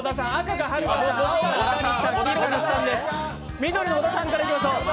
緑の小田さんからいきましょう。